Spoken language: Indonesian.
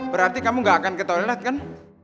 berarti kamu gak akan ke toilet kan